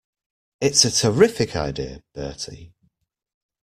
It's a terrific idea, Bertie.